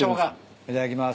いただきます。